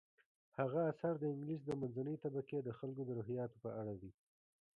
هغه اثر د انګلیس د منځنۍ طبقې د خلکو د روحیاتو په اړه دی.